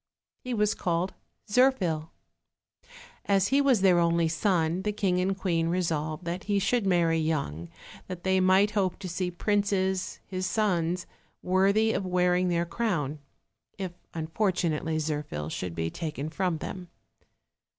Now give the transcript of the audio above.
He was called Zirphil. As he was their only son, the king and queen resolved that he should marry young, that they might hope to see princes, his sons, worthy of wearing their crown, if unfortunately Zirphil should be taken from them.